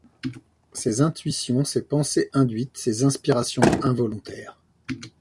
ces intuitions, ces pensées induites, ces inspirations involontaires…